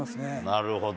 なるほど。